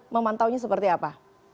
memantaunya seperti apa